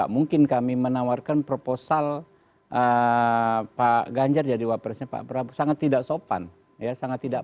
mungkin kami menawarkan proposal pak ganjar jadi wapresnya pak prabowo sangat tidak sopan ya sangat tidak